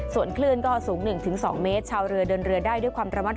ส่วนคลื่นก็สูงหนึ่งถึงสองเมตรชาวเรือเดินเรือได้ด้วยความระวัง